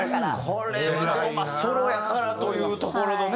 これはでもまあソロやからというところのね